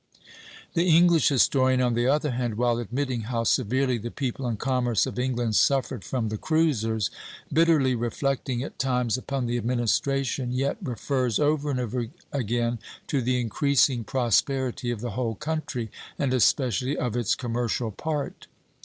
" The English historian, on the other hand, while admitting how severely the people and commerce of England suffered from the cruisers, bitterly reflecting at times upon the administration, yet refers over and over again to the increasing prosperity of the whole country, and especially of its commercial part.